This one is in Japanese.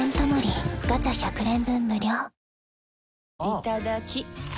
いただきっ！